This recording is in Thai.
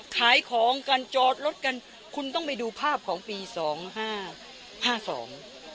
ขายของกันจอดรถกันคุณต้องไปดูภาพของปีสองห้าห้าสอง